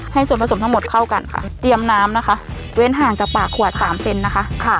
ส่วนผสมทั้งหมดเข้ากันค่ะเตรียมน้ำนะคะเว้นห่างจากปากขวดสามเซนนะคะค่ะ